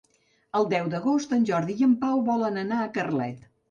El deu d'agost en Jordi i en Pau volen anar a Carlet.